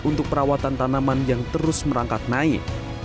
untuk perawatan tanaman yang terus merangkak naik